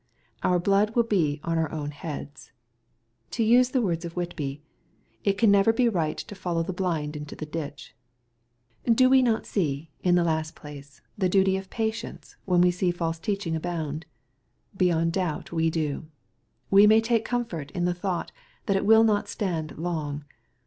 Our blood will be on our own heads. To use the words of Whitby, " It never can be right to follow the blind into the ditch '' Do we not see, in the last place, the duty of patience, when we see false teaching abound ? Beyond doubt we do. We may take comfort in the thought that it will not stand long.